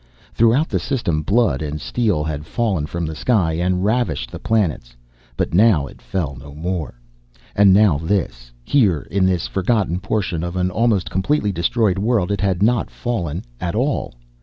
Throughout the system blood and steel had fallen from the sky and ravished the planets, but now it fell no more. And now this. Here in this forgotten portion of an almost completely destroyed world it had not fallen at all.